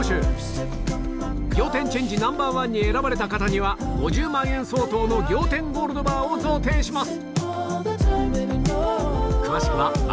ナンバーワンに選ばれた方には５０万円相当の仰天ゴールドバーを贈呈します